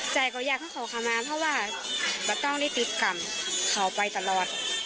ใจก็อยากให้เขาเข้ามาเพราะว่าไม่ต้องได้ติดกรรมเขาไปตลอด